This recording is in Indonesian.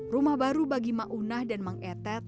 rumah baru bagi ma'unah dan mang etet